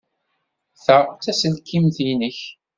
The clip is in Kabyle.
Ta d taselkimt-nnek.